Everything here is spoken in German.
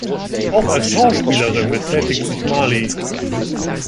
Auch als Schauspielerin betätigt sich Marley.